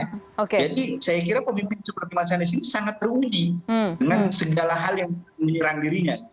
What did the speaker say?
jadi saya kira pemimpin seperti mas anies ini sangat beruji dengan segala hal yang menyerang dirinya